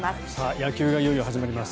野球がいよいよ始まります。